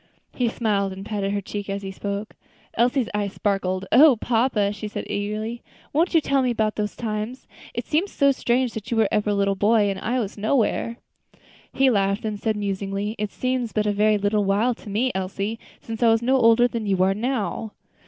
He smiled, and patted her cheek as he spoke. Elsie's eyes sparkled. "O papa!" she said eagerly; "won't you tell me about those times? It seems so strange that you were ever a little boy and I was nowhere." He laughed. Then said, musingly, "It seems but a very little while to me, Elsie, since I was no older than you are now."